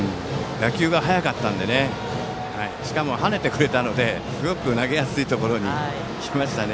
打球が速かったのでしかも、跳ねてくれたのですごく投げやすいところに来ましたね。